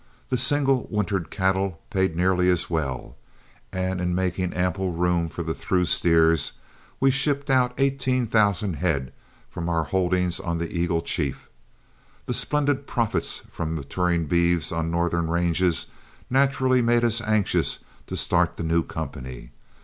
The single wintered cattle paid nearly as well, and in making ample room for the through steers we shipped out eighteen thousand head from our holdings on the Eagle Chief. The splendid profits from maturing beeves on Northern ranges naturally made us anxious to start the new company.